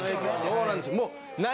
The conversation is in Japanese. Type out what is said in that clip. そうなんです。